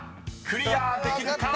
クリアできるか⁉］